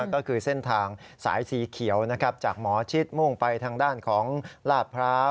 ก็คือเส้นทางสายสีเขียวนะครับจากหมอชิดมุ่งไปทางด้านของลาดพร้าว